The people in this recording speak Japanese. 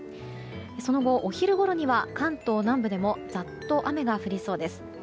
その後お昼ごろには関東南部でもざっと雨が降りそうです。